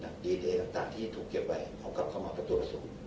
ดีหรือเดรต่างที่ถูกเก็บไว้ของเข้ามาผ่าตัวสู้